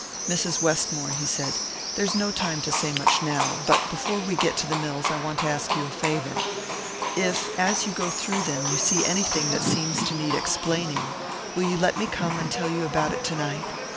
"Mrs. Westmore," he said, "there's no time to say much now, but before we get to the mills I want to ask you a favour. If, as you go through them, you see anything that seems to need explaining, will you let me come and tell you about it tonight?